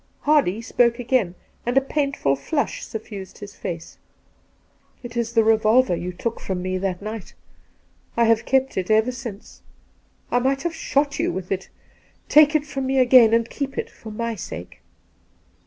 Hardy spoke again, and a painful flush suffused his face. ' It is the revolver you took from me that night. I have kept it ever since. I might have shot you with it. Take it from me again, and keep it, for my sake